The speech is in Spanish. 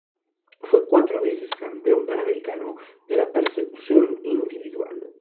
Fue cuatro veces campeón panamericano de la persecución individual.